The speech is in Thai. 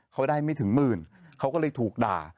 เขาได้ไม่ถึง๑๐๐๐๐บาทเขาก็เลยถูกด่า